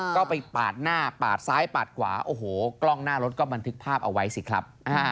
ก็ไปปาดหน้าปาดซ้ายปาดขวาโอ้โหกล้องหน้ารถก็บันทึกภาพเอาไว้สิครับ